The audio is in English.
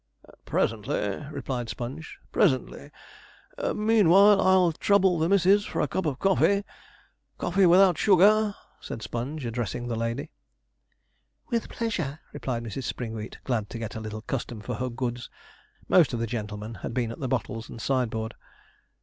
'Presently,' replied Sponge, 'presently; meanwhile I'll trouble the missis for a cup of coffee. Coffee without sugar,' said Sponge, addressing the lady. 'With pleasure,' replied Mrs. Springwheat, glad to get a little custom for her goods. Most of the gentlemen had been at the bottles and sideboard.